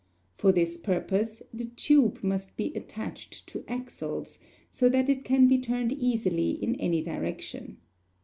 For this purpose, the tube must be attached to axles, so that it can be turned easily in any direction.